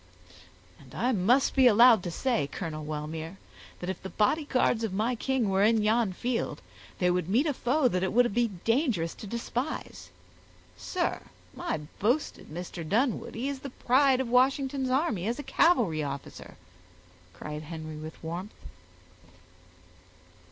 "And I must be allowed to say, Colonel Wellmere, that if the bodyguards of my king were in yon field, they would meet a foe that it would be dangerous to despise. Sir, my boasted Mr. Dunwoodie is the pride of Washington's army as a cavalry officer," cried Henry with warmth.